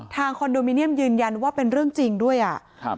คอนโดมิเนียมยืนยันว่าเป็นเรื่องจริงด้วยอ่ะครับ